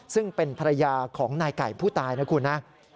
ซึ่งเป็นภรรยาของนายไก่ผู้ตายนะคุณนะ